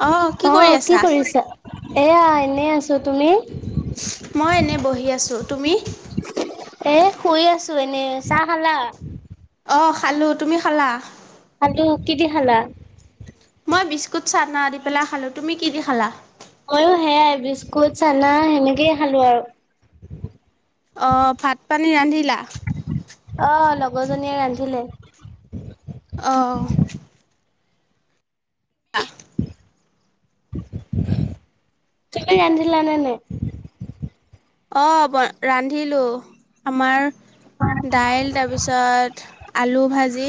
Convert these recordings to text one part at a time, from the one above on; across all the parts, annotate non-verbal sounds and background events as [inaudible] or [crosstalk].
অঁ কৰি অহ, কি আছা? কৰিছা? এয়া এনেই আছো তুমি? মই এনে বহি আছোঁ। তুমি? এ' শুই আছো এনে। চাহ খালা? অহ, খালোঁ। তুমি খালা? খালোঁ কি দি খালা? মই বিস্কুট চানা দি পেলাই খালো। তুমি কি দি খালা? ময়ো সেয়াই বিস্কুট চানা সেনেকেই খালো আৰু। অহ, ভাত- পানী ৰান্ধিলা? অহ, লগৰজনীয়ে ৰান্ধিলে। অহ', আ চাইকেল আনি দিলানে নে নাই? অহ, ৰান্ধিলো আমাৰ দাইল তাৰপিছত আলু ভাজি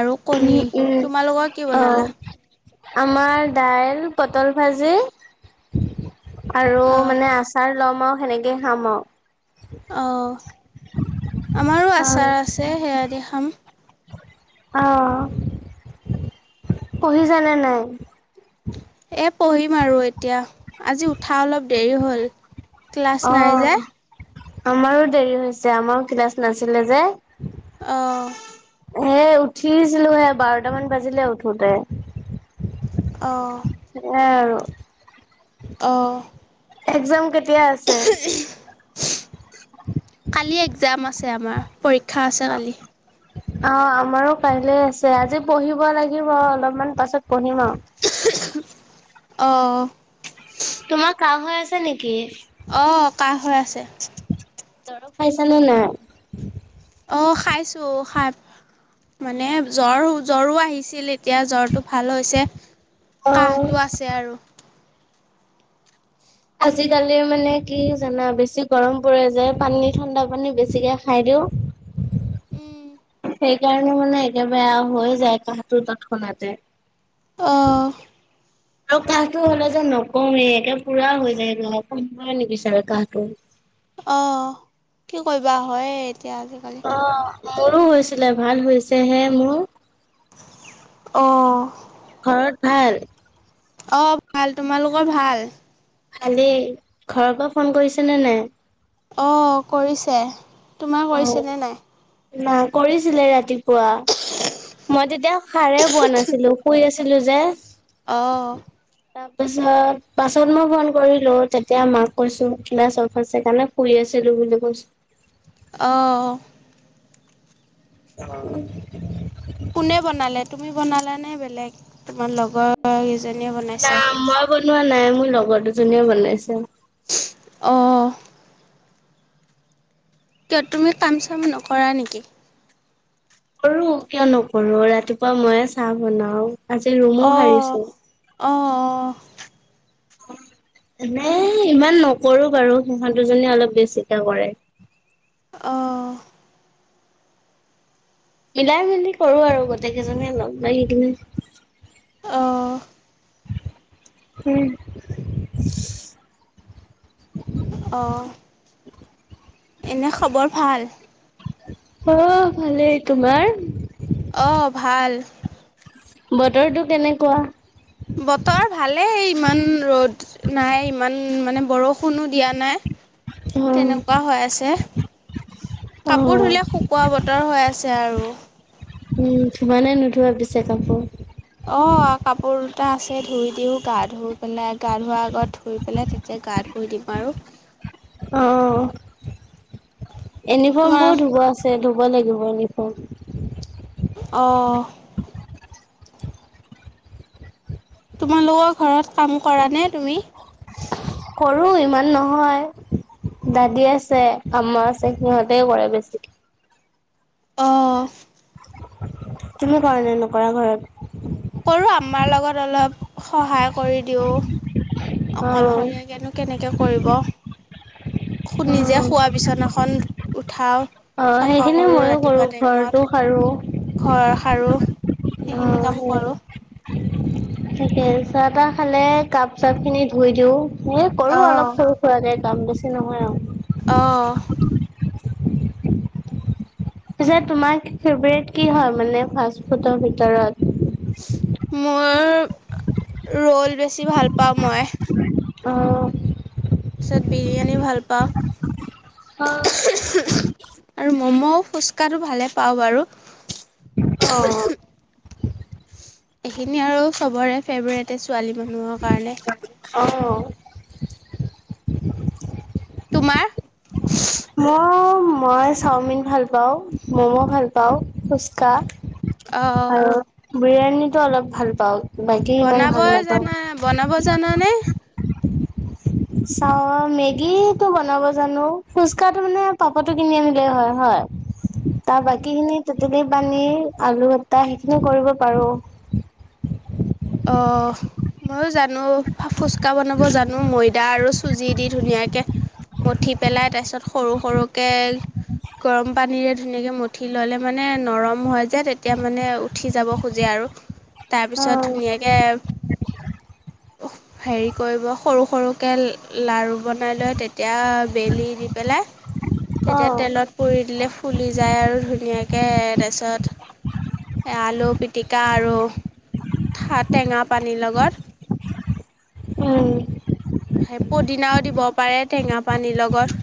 আৰু উম, কণী উম। তোমালোকৰ কি অ', বনালা? আমাৰ দাইল, পটল ভাজি আৰু অঁ মানে আচাৰ ল'ম আৰু সেনেকে খাম আৰু। অহ', আমাৰো আৰু। আচাৰ আছে সেয়া দি খাম। অহ', পঢ়িছা নে নাই? এ' পঢ়িম আৰু এতিয়া আজি উঠা অলপ দেৰি হ'ল। ক্লাছ নাই যে। অ'। আমাৰো দেৰি হৈছে আমাৰো ক্লাছ নাছিলে যে। অহ', সেয়ে উঠিছিলো হে বাৰটামান বাজিলে উঠোতে। অহ', সেয়াই আৰু। অহ', একজাম কেতিয়া আছে? একজাম আছে আমাৰ পৰীক্ষা আছে কালি। আ', আমাৰো কাইলে আছে আজি পঢ়িব লাগিব অলপমান পাছত। পূৰ্ণিমা। অ। তোমাৰ কাহ হৈ আছে নেকি? আহ কাহ হৈ আছে। দৰৱ খাইছানে নাই? অ', খাইছোঁ খাই মানে জ্বৰ জ্বৰো আহিছিল এতিয়া জ্বৰটো ভাল হৈছে। অ কাহটো আছে আৰু। আজিকালি মানে কি জানা বেছি গৰম পৰে যে পানী ঠাণ্ডা পানী বেছিকে খাই দিও। টো। সেইকাৰণে মানে একে বেয়া হৈ যায় কাহটোৰ তৎক্ষণাতে। উম অ'। আৰু কাহটো হ'লে যে নকওঁৱেই একে পুৰা হৈ যায় গ কমিবই নিবিচাৰে কাহটো। অ কি কৰিবা হয়। এতিয়া আজিকালি অ' মোৰো হৈছিলে ভাল হৈছে হে মোৰ। আহ ঘৰত ভাল। অ ভাল তোমালোকৰ ভাল। ভালেই ঘৰৰ পৰা ফোন কৰিছে নে নাই? অঁ কৰিছে তোমাৰ। কৰিছেনে নাই? না কৰিছিলে ৰাতিপুৱা। মই তেতিয়া সাৰে বোৱা নাছিলো শুই আছিলো যে। অ'। তাৰ পিছত পাছত মই ফোন কৰিলো তেতিয়া মাক কৈছো কিলা চব আছে কাৰণে ফুৰি আছো। চেল বুলি কৈছ। অ' অঁ কোনে বনালে তুমি বনালা নে বেলেগ তোমাৰ লগৰ? বনাইছে? নাই মই বনোৱা নাই মোৰ লগৰ দুজনীয়ে বনাইছে। অ' কিয় তুমি কাম চাম নকৰা নেকি? কৰো কিয় নকৰো ৰাতিপুৱা ময়ে চাহ বনাও। আজি ৰুমো অ' হাৰিছো। অ' হয়। এনেই ইমান নকৰো বাৰু সিহঁত দুজনীয়ে অলপ বেছিকে কৰে। অহ। মিলাই মেলি কৰো আৰু গোটেই কেইজনীয়ে লগ লাগি কিনে। অহ। উম। অঁ। অ ভালেই তোমাৰ। অ ভাল। বতৰটো কেনেকুৱা। বতৰ ভালেই ইমান ৰ'দ নাই ইমান মানে বৰষুণো দিয়া নাই। অ তেনেকুৱা হৈ আছে। অ কাপোৰ ধুলে শুকোৱা বতৰ হৈ আছে আৰু। উম ধোব নে নুধোৱা পিছে কাপোৰ। অ কাপোৰ দুটা আছে ধুই দিওঁ। গা ধুই পেলাই গা ধোৱাৰ আগত ধুই পেলাই তেতিয়া গা ধুও। সতি পাৰোঁ। অহ, অহ, তোমাৰ ইউনিফৰ্মবোৰ ধুব আছে ধুব লাগিব ইউনিফৰ্ম। অ' তোমালোকৰ ঘৰত কাম কৰা নে তুমি। কৰোঁ ইমান নহয়। দাদী আছে আ্মা আছে, সিহঁতে কৰে বেছি। অ' তুমি কৰা নে নকৰা ঘৰত? আম্মাৰ লগত অলপ সহায় কৰি দিওঁ। অ অকলশৰীয়াকেনো কেনেকৈ কৰিব। শুনি যে অ নিজে শোৱা বিছনাখন উঠাওঁ অ চাফা সেইখিনি কৰোঁ ময়ো কৰো ৰাতিপুৱা ঘৰটো টাইমত সাৰো ঘৰ সাৰো। সেইখিনি অ', কাম কৰোঁ। তাকে চাহ তাহ খালে কাপ চাপ খিনি ধুই দিওঁ। এ কৰো অ', অলপ সৰু সুৰাকে কাম বেছি নহয় আও। অ', পিছে তোমাৰ ফেভ্ৰেট কি হ'য় মানে ফাছ ফুডৰ ভিতৰত। মোৰ, ৰ'ল বেছি ভাল পাওঁ মই। অ তাৰ পিছত বিৰিয়ানী ভাল পাওঁ। অ', আৰু ম'ম' ফুচকাটো ভালে পাওঁ বাৰু। অ। এইখিনি আৰু ছবৰে ফেভৰেটে ছোৱালী মানুহৰ কাৰণে। [inaudible] তোমাৰ মই মই চাওমিন ভাল পাওঁ মম' ভাল পাওঁ ফুচকা অহ। আৰু বিৰিয়ানীটো অলপ ভাল পাওঁ, বাকী ইমান বনাব ভাল নাপাওঁ। জানা বনাব জানানে চা মেগীটো বনাব জানো, ফুচকা টো মানে পাপৰটো কিনি আনিলে হয়, হয় হয়। [inaudible] তাৰ বাকীখিনি তেঁতেলী পানী আলু কটা সেইখিনিও কৰিব পাৰো। অ ময়ো জানো ফুচকা বনাব জানো ময়দা আৰু চুজি দি ধুনীয়াকৈ মঠি পেলাই তাপিছত সৰু সৰুকে। গৰম পানীৰে ধুনীয়াকে মুঠি ল'লে মানে, নৰম হ'য় যে তেতিয়া মানে উঠি যাব খোজে আৰু। আৰু তাৰ পিছত ধুনীয়া অ', কে হেৰী কৰিব সৰু। সৰুকৈ লাৰু বনাই লৈ তেতিয়া বেলি দি পেলাই। তেতিয়া তেলত পুই দিলে ফুলি যায় আৰু ধুনীয়াকে। তাৰপিছত আলু পিটিকা আৰু। থা টেঙা পানীৰ লগত। উম। পুদিনাও দিব পাৰে টেঙা পানীৰ লগত।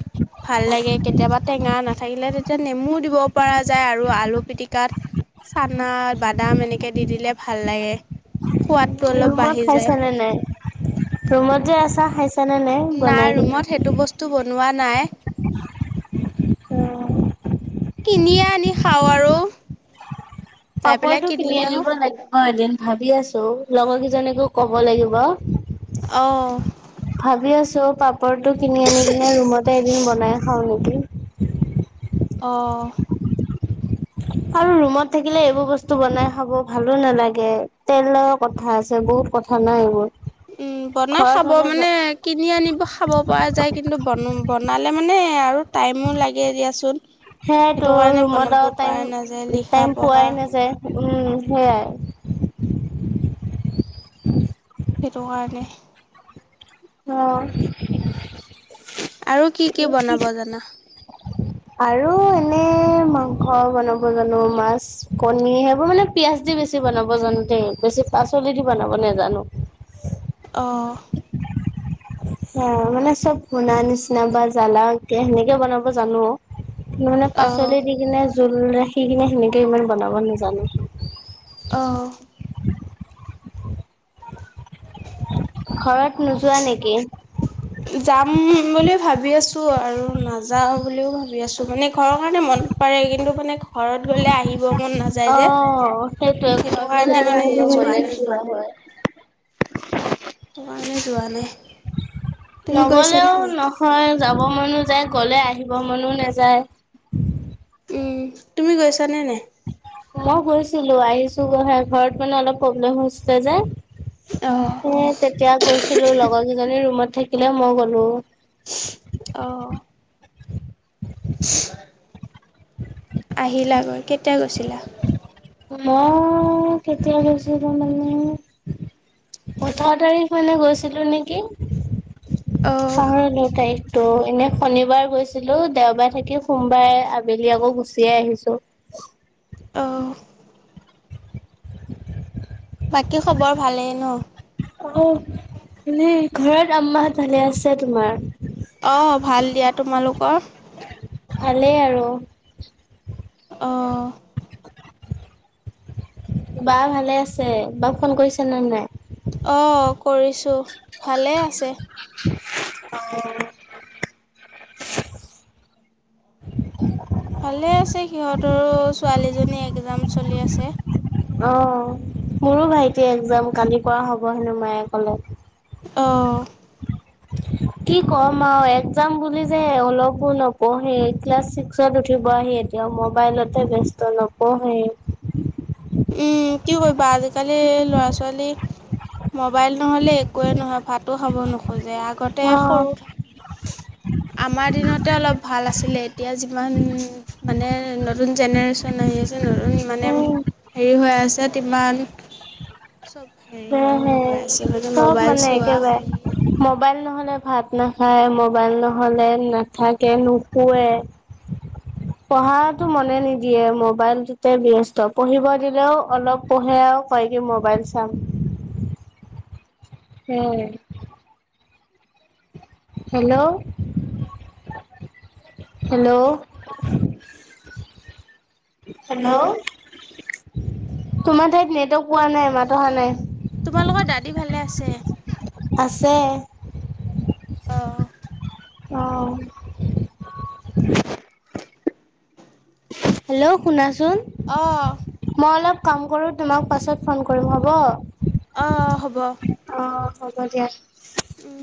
ভাল লাগে, কেতিয়াবা টেঙা নাথাকিলে তেতিয়া নেমু দিব পৰা যায় আৰু আলু পিটিকাত। চানা বাদাম এনেকে দি দিলে ভাল লাগে সোৱাদ। ৰুমত খাইছ নে নাই, ৰুমত যে আছা। খাইছানে বনাই নাই কিনে? ৰুমত সেটো বস্তু বনোৱা নাই। কিনিয়ে আনি খাওঁ আৰু। যাই পেলাই পাপৰটো কিনি কিনিলে আহো আনিব লাগে। অ এদিন ভাবি আছোঁ লগৰ কেইজনীকো ক'ব লাগিব। অহ চ' পাপৰটো কিনি আনি কিনে ৰুমতে এদিন বনাই খাও নেকি? অ'। আৰু ৰুমত থাকিলে এইবোৰ বস্তু বনাই খাব ভালো নালাগে তেলৰ কথা আছে। বহুত কথা নাই এইবোৰ। উম, বনাই ঘৰত খাব হ'লে মানে কিনি আনিব খাব পৰা যায় কিন্তু বনোৱা। বনালে মানে আৰু টাইমো লাগে দিয়াচোন। সেইটো সেইতো কাৰণে ৰুমত বনাব আৰু টাইম পৰা নাযায় লিখা টাইম পঢ়া পোৱাই নাযায় উম। সেয়াই। সেইটো কাৰণে। অ। আৰু কি কি বনাব জানা? আৰু এনে মাংস বনাব জানো, মাছ কণী সেইবোৰ মানে পিয়াজ দি। বেছি বনাব জানো দেই, বেছি পাচলি দি বনাব নাজানো। অ'। অ, মানে চব শুনা নিচিনা বা জ্বালা সেনেকে বনাব জানোঁ। মানে অ', পাচলি দি কিনে জোল ৰাখি কিনে সেনেকে ইমান বনাব নাজানো। অ'। ঘৰত। নোযোৱা নেকি যাম বুলি। ভাবি আছোঁ আৰু নাযাওঁ বুলিও ভাবি আছোঁ মানে ঘৰৰ কাৰণে মনত পৰে কিন্তু মানে ঘৰত। গ'লে আহিব মন অ নাযায় যে সেইটোৱে ঘৰত সেইটো গ'লে কাৰণে আৰু মানে এনেকুৱা যোৱা বনাই নাই। নোযোৱা হয় সেইটো কাৰণে যোৱা নাই তুমি গৈছানে নগ'লেও নাই নহয় যাব। মনো যায়, গ'লে আহিব মনো নাযায়। তুমি গৈছানে নে? মই গৈছিলোঁ আহিছোঁ ঘৰত মানে অলপ প্ৰব্লেম হৈছিলে যে। অ', এ তেতিয়া গৈছিলো লগৰ কেইজনী ৰুমত থাকিলে মই গ'লো। অহ। আহিলা গৈ কেতিয়া গৈছিলা? মই কেতিয়াগৈছো যানো। ওঠৰ তাৰিখ মানে গৈছিলো নেকি অ', পহৰ যৰদ তাৰিখ [unintelligible] ত' এনে শনিবাৰ গৈছিলোঁ, দেওবাৰে থাকি সোমবাৰে আবেলি আকৌ গুচিয়ে আহিছোঁ। অ', [unintelligible] বাকী খবৰ ভালেই ন। আহ ঘৰত আম্মাহ ভালে আছে তোমাৰ। অঁ ভাল দিয়া তোমালোকৰ। ভালেই আৰু। অঁ। বা ভালে আছে বাাৰু ফোন কৰিছে ন নাই। অঁ কৰিছোঁ ভালে আছে। ভালে আছে সিহঁতৰ ছোৱালীজনী একজাম চলি আছে। অ, মোৰো ভাইটি এক্জাম কালি পৰা হ'ব হেনো মায়ে কলে। অ। উ [inaudible] কি ক'ম আৰু একজাম বুলি যে অলপো নপঢ়ি ক্লাছ ছিক্সত উঠিব আহি। কেতিয়াও মোবাইলতে ব্যস্ত নপঢ়ে। উম কি কৰিবা আজিকালি ল'ৰা ছোৱালী। মোবাইল নহ'লে একোৱেই নহয়, ভাতো খাব নোখোজে আগতে সৰু। উম। আমাৰ দিনতে অলপ ভাল আছিলে, এতিয়া যিমান মানে নতুন জেনেৰেশ্যন আহি আছে। যোনতণ [unintelligible] মানে উম হেৰি হৈ আছে তিমান। চব হেৰি হে হৈ হে হৈ গৈ আছে মানে চব মোবাইল মানে চোৱা হেৰি একেবাৰে মোবাইল নহলে ভাত। নাখায় মোবাইল নহ'লে নাথাকে নুহোৱে। পঢ়াটো মনে নিদিয়ে মোবাইলটোতে ব্য্স্ত পঢ়িব দিলেও অলপ পঢ়েও ক ম'বাইল চাম। উম। হেল্ল' হেল্ল' হেল্ল' তোমাৰ ঠাইত নেটৱৰ্ক পোৱা নাই মাত অহা নাই। তোমালোকৰ দাদী ভালে আছে। আছে আহ অঁ হেল্ল' শুনাচোন অঁ মই অলপ কাম কৰো তোমাক পাছত ফোন কৰিম হ'ব। আহ হ'ব অ হ'ব দিয়া। উম।